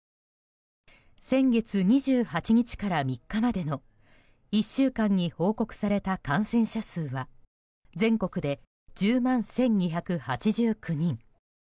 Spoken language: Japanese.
先月２８日から３日までの１週間に報告された感染者数は全国で１０万１２８９人。